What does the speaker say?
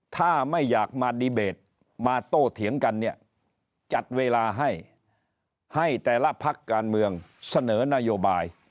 ถ้าไม่อยากมาดีเบตมาโต้เถียงกันเนี่ยจัดเวลาให้ให้แต่ละพักการเมืองเสนอนโยบาย